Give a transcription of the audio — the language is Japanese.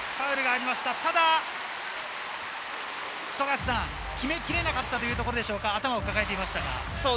ただ決め切れなかったというところでしょうか、頭を抱えていました。